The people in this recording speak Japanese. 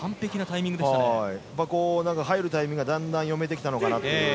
入るタイミングがだんだん読めてきたのかなという